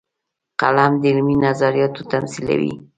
قلم د علمي نظریاتو تمثیلوي